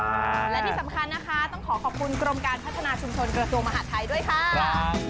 และที่สำคัญนะคะต้องขอขอบคุณกรมการพัฒนาชุมชนกระทรวงมหาดไทยด้วยค่ะ